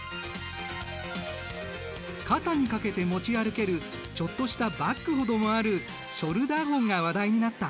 肩にかけて持ち歩けるちょっとしたバッグほどもあるショルダーホンが話題になった。